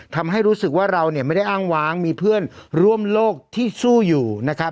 ทำให้รู้สึกว่าเราเนี่ยไม่ได้อ้างว้างมีเพื่อนร่วมโลกที่สู้อยู่นะครับ